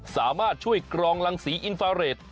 สามารถช่วยกรองรังสีอินฟาเรท